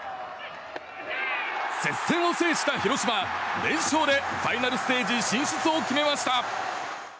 接戦を制した広島連勝でファイナルステージ進出を決めました。